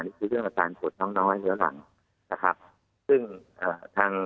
นี่คือเรื่องอาจารย์โผชณ้อยเหลือหลั่นนะครับซึ่ง